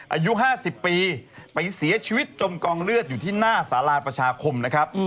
อายุ๕๐ปีไปเสียชีวิตจมกองเลือดอยู่ที่หน้าสาราประชาคมนะครับ